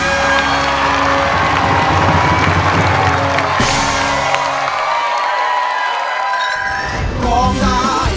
เพลงแรกของเจ้าเอ๋ง